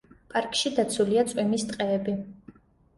პარკში დაცულია წვიმის ტყეები.